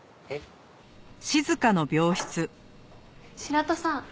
白土さん